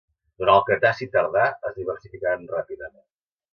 Durant el Cretaci tardà es diversificaren ràpidament.